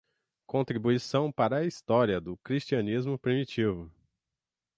Contribuição Para a História do Cristianismo Primitivo